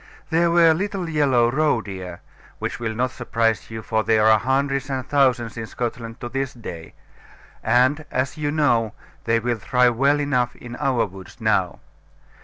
There were little yellow roe deer, which will not surprise you, for there are hundreds and thousands in Scotland to this day; and, as you know, they will thrive well enough in our woods now.